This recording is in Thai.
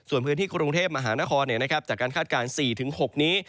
ส่วนพื้นที่กรุงเทพมหานครจากการคาดการณ์๔๖นี้